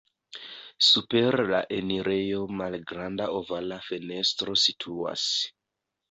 Super la enirejo malgranda ovala fenestro situas.